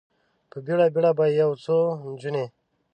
په بیړه، بیړه به یو څو نجونې،